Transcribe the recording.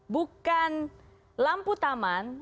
bukan lampu taman